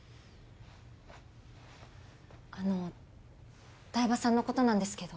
あの台場さんの事なんですけど。